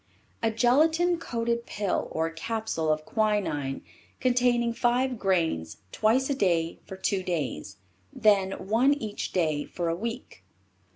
"A gelatin coated pill or capsule of quinine containing five grains twice a day for two days, then one each day for a week."